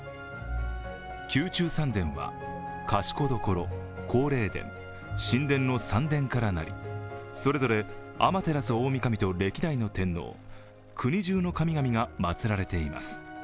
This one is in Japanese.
宮中三殿は、賢所、皇霊殿、神殿の三殿からなり、それぞれ天照大御神と歴代の天皇、国じゅうの神々がまつられています。